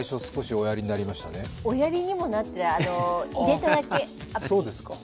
おやりにもなってない、入れただけ、アプリ。